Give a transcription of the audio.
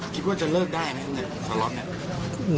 คิดว่าจะเลิกได้ไหมสักรอบนี้